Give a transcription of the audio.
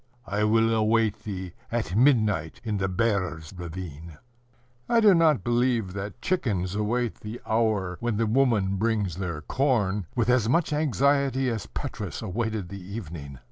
I will await thee at midnight in the Bear's ravine." I do not believe that chickens await the hour when the woman brings their corn with as much anxiety as Petrus awaited the evening.